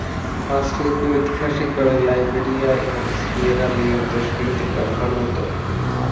বাস লিপি ঐতিহাসিকভাবে লাইবেরিয়া এবং সিয়েরা লিওন দেশগুলিতে ব্যবহার হতো।